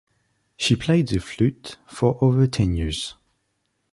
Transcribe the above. She played the flute for over ten years.